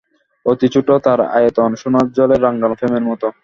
অতি ছোটো তার আয়তন, সোনার জলে রাঙানো ফ্রেমের মতো।